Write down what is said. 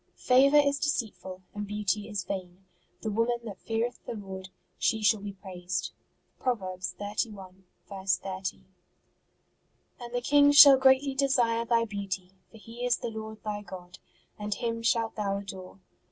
Favour is deceitful, and beauty is vain : the woman that feareth the Lord, she shall be praised. Prov. xxxi. 30. And the King shall greatly desire thy beauty : for He is the Lord thy God, and Him shalt thou adore.